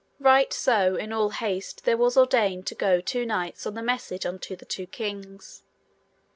Right so in all haste there were ordained to go two knights on the message unto the two kings.